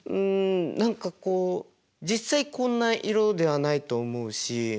何かこう実際こんな色ではないと思うし。